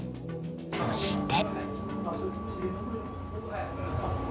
そして。